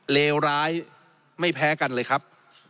เลวร้ายไม่แพ้กันเลยครับ